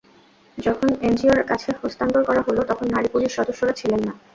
যখন এনজিওর কাছে হস্তান্তর করা হলো, তখন নারী পুলিশ সদস্যরা ছিলেন না।